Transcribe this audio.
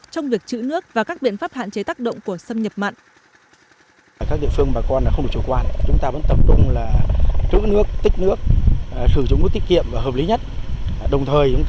trong việc chữ nước và các biện pháp hạn chế tác động của xâm nhập mặn